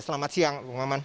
selamat siang bung maman